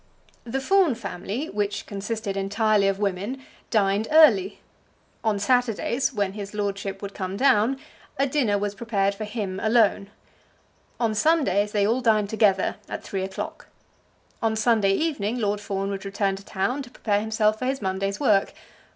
The Fawn family, which consisted entirely of women, dined early. On Saturdays, when his lordship would come down, a dinner was prepared for him alone. On Sundays they all dined together at three o'clock. On Sunday evening Lord Fawn would return to town to prepare himself for his Monday's work.